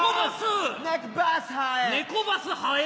ネコバスハエ。